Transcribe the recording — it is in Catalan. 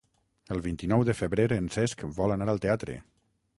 El vint-i-nou de febrer en Cesc vol anar al teatre.